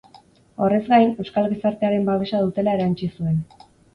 Horrez gain, euskal gizartearen babesa dutela erantsi zuen.